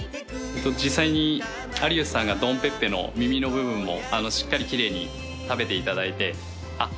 実際に有吉さんがドン・ペッペの耳の部分もしっかり奇麗に食べていただいてあっ